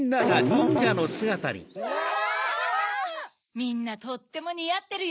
みんなとってもにあってるよ。